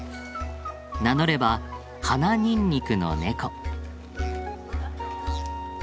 名乗れば鼻ニンニクのネコ。